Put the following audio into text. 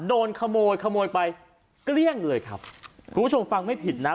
โดนขโมยขโมยไปเกลี้ยงเลยครับคุณผู้ชมฟังไม่ผิดนะ